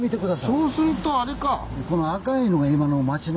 そうするとあれか。